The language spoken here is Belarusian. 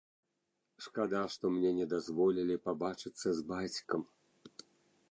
Шкада, што мне не дазволілі пабачыцца з бацькам.